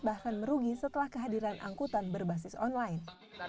bahkan merugi setelah kehadiran angkutan berbasis online